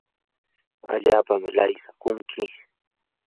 allapam lawsaykunki